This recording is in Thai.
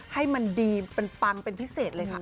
ให้มันดีมันปังเป็นพิเศษเลยค่ะ